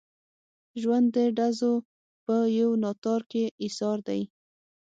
ژوند د ډزو په یو ناتار کې ایسار دی.